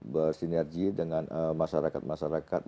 bersinergi dengan masyarakat masyarakat